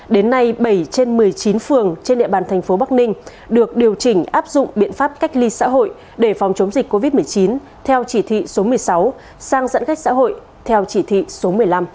đến nay bảy trên một mươi chín phường trên địa bàn thành phố bắc ninh được điều chỉnh áp dụng biện pháp cách ly xã hội để phòng chống dịch covid một mươi chín theo chỉ thị số một mươi sáu sang giãn cách xã hội theo chỉ thị số một mươi năm